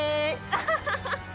アハハハッ！